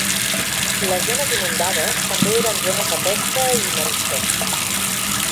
Les zones inundades també eren zones de pesca i marisqueig.